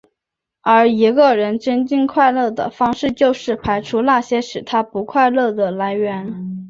而一个人增进快乐的方式就是排除那些使他不快乐的来源。